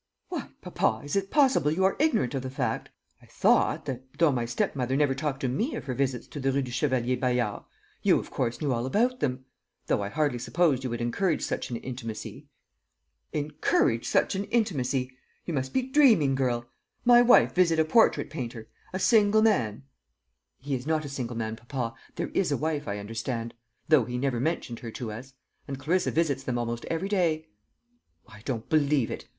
"What, papa! is it possible you are ignorant of the fact? I thought that, though my stepmother never talked to me of her visits to the Rue du Chevalier Bayard, you of course knew all about them. Though I hardly supposed you would encourage such an intimacy." "Encourage such an intimacy! You must be dreaming, girl. My wife visit a portrait painter a single man?" "He is not a single man, papa. There is a wife, I understand; though he never mentioned her to us. And Clarissa visits them almost every day." "I don't believe it.